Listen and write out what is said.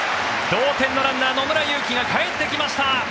同点のランナー、野村佑希がかえってきました。